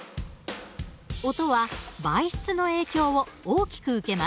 音は媒質の影響を大きく受けます。